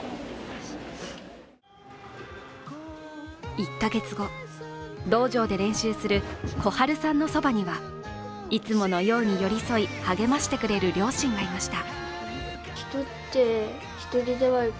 １ヶ月後、道場で練習する心陽さんのそばにはいつものように寄り添い、励ましてくれる両親がいました。